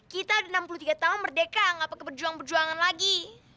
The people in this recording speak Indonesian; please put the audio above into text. kita udah enam puluh tiga tahun merdeka gak apa apa ke perjuangan perjuangan lagi